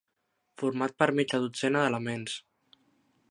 Format per mitja dotzena d'elements.